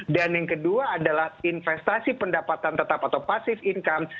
dan yang kedua adalah investasi pendapatan tetap atau pasif income